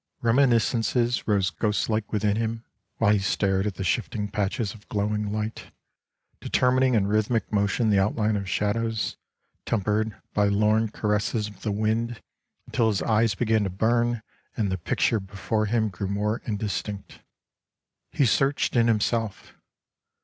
Reminiscences rose ghost like within him, while he stared at the shifting patches of glowing light, determining in rythmic motion the outline of shadows, tempered by lorn caresses of the wind, until his eyes began to burn, and the picture before him grew more indistinct. He searched in himself.